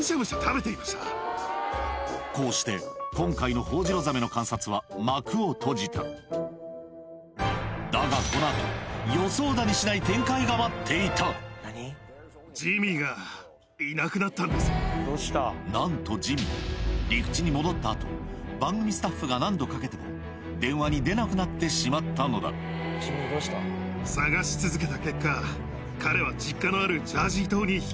こうして今回のホホジロザメの観察は幕を閉じただがこの後待っていたなんとジミー陸地に戻った後番組スタッフが何度かけても電話に出なくなってしまったのだ彼は。